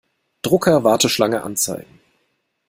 Drucker-Warteschlange anzeigen.